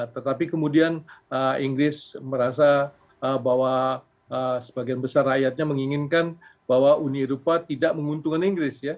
tetapi kemudian inggris merasa bahwa sebagian besar rakyatnya menginginkan bahwa uni eropa tidak menguntungkan inggris ya